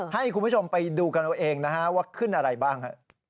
ให้คุณผู้ชมไปดูกันเอาเองนะฮะว่าขึ้นอะไรบ้างฮะ